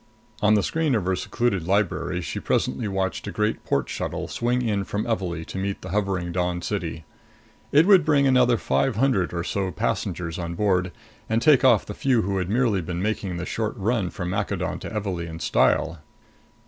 On the screen of her secluded library, she presently watched a great port shuttle swing in from Evalee to meet the hovering Dawn City. It would bring another five hundred or so passengers on board and take off the few who had merely been making the short run from Maccadon to Evalee in style.